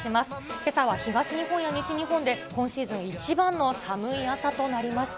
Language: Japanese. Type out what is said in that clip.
けさは東日本や西日本で、今シーズン一番の寒い朝となりました。